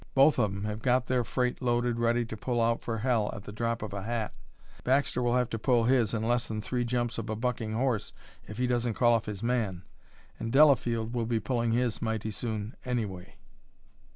Both of 'em have got their freight loaded ready to pull out for hell at the drop of a hat. Baxter will have to pull his in less than three jumps of a bucking horse if he doesn't call off his man. And Delafield will be pulling his mighty soon anyway."